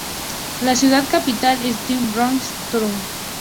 La ciudad capital es Dieppe Bay Town.